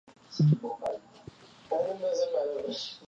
The bridegroom and his companions are often girt with pieces of net.